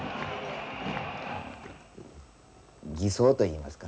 偽装といいますかね。